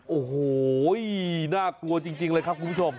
โอ้โหน่ากลัวจริงเลยครับคุณผู้ชม